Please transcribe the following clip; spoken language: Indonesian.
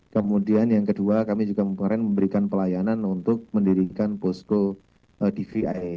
kemudian yang kedua kami juga kemarin memberikan pelayanan untuk mendirikan posko dvi